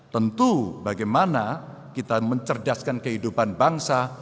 tentu bagaimana kita mencerdaskan kehidupan bangsa